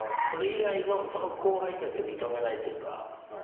それ以外のその後輩たちは認めないというか。